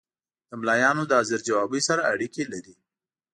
د ملایانو له حاضر جوابي سره اړیکې لري.